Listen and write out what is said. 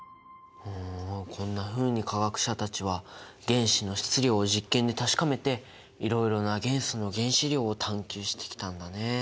こんなふうに化学者たちは原子の質量を実験で確かめていろいろな元素の原子量を探求してきたんだね。